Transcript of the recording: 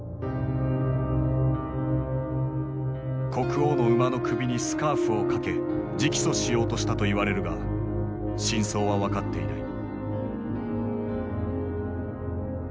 国王の馬の首にスカーフを掛け直訴しようとしたといわれるが真相は分かっていない。